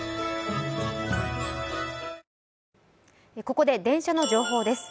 ここで電車の情報です。